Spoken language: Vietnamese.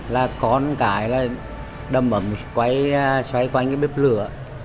là con cái là đâm ẩm xoay quanh cái bếp lửa